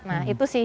nah itu sih